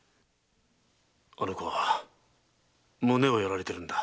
あの子は胸をやられてるんだ。